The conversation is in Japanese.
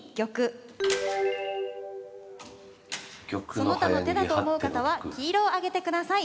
その他の手だと思う方は黄色を上げてください。